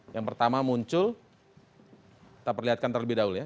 yang pertama muncul kita perlihatkan terlebih dahulu ya